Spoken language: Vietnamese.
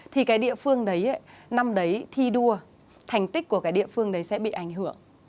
thì cái địa phương đấy năm đấy thi đua thành tích của cái địa phương đấy sẽ bị ảnh hưởng